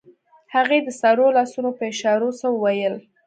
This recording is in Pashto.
هغې د سرو لاسونو په اشارو څه وويل.